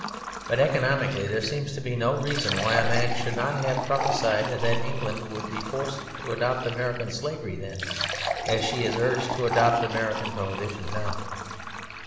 But economically there seems to be no reason why a man should not have prophesied that England would be forced to adopt American Slavery then, as she is urged to adopt American Prohibition now.